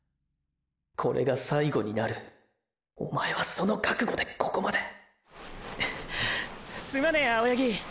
これが最後になるおまえはその覚悟でここまでッすまねぇ青八木